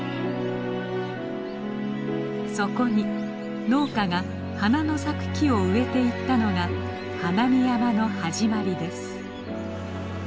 そこに農家が花の咲く木を植えていったのが花見山の始まりです。